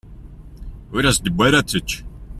Ur as-d-tewwi ara ad tečč.